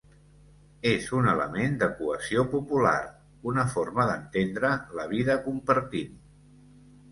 És un element de cohesió popular, una forma d’entendre la vida compartint.